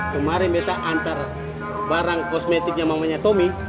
kumari meta antar barang kosmetiknya mama nya tommi